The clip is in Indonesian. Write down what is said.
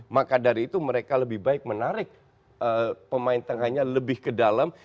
maka dari itu mereka lebih baik menarik pemain tengahnya lebih ke dalam